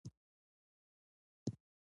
لنډمهاله ویره د ماشومانو لپاره طبیعي ده.